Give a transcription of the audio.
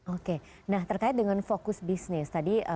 oke nah terkait dengan fokus bisnis tadi